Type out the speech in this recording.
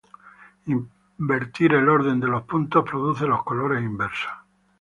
Invertir el orden de los puntos produce los colores inversos.